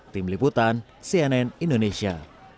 tim liputan cnn indonesia